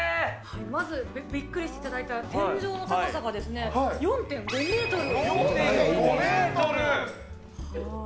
まず、びっくりしていただいた天井の高さが４．５メートル。